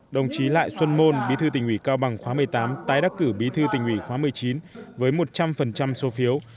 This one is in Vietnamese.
đồng chí lại xuân môn bí thư tỉnh ủy cao bằng khóa một mươi tám tái đắc cử bí thư tỉnh ủy khóa một mươi chín với một trăm linh số phiếu